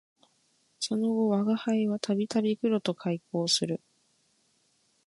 その後吾輩は度々黒と邂逅する